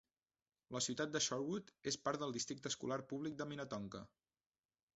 La ciutat de Shorewood és part del districte escolar públic de Minnetonka .